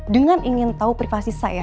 dengan ingin tahu privasi saya